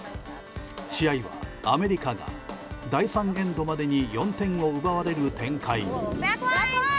試合はアメリカが第３エンドまでに４点を奪われる展開に。